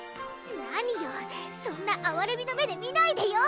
なによそんなあわれみの目で見ないでよ